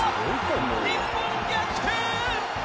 日本、逆転！